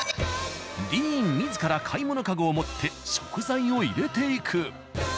ディーン自ら買い物カゴを持って食材を入れていく。